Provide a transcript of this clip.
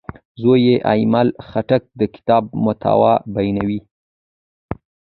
زوی یې ایمل خټک د کتاب محتوا بیانوي.